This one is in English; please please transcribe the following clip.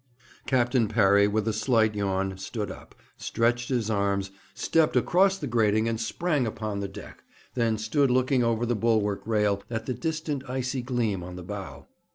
Captain Parry, with a slight yawn, stood up, stretched his arms, stepped across the grating, and sprang upon the deck, then stood looking over the bulwark rail at the distant icy gleam on the bow.